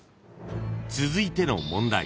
［続いての問題］